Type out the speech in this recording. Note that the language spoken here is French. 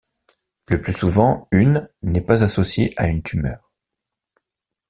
Le plus souvent, une n'est pas associée à une tumeur.